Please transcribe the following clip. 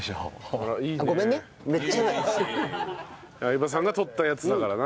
相葉さんが採ったやつだからな。